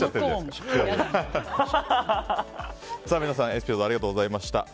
皆さん、エピソードありがとうございました。